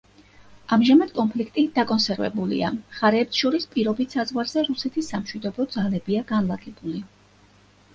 ამჟამად კონფლიქტი დაკონსერვებულია, მხარეებს შორის პირობით საზღვარზე რუსეთის სამშვიდობო ძალებია განლაგებული.